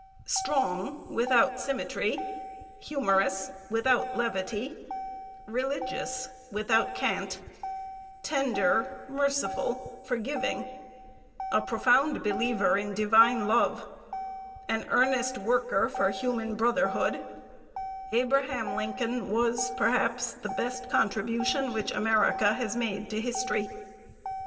Strong without symmetry, humorous without levity, religious without cant tender, merciful, forgiving, a profound believer in Divine love, an earnest worker for human brotherhood Abraham Lincoln was perhaps the best contribution which America has made to History.